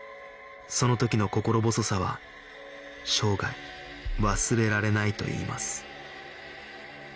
その時の心細さは生涯忘れられないといいます